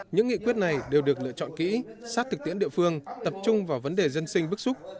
những nghị quyết này đều được lựa chọn kỹ sát thực tiễn địa phương tập trung vào vấn đề dân sinh bức xúc